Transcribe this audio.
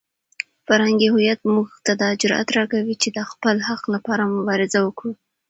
فرهنګي هویت موږ ته دا جرئت راکوي چې د خپل حق لپاره مبارزه وکړو.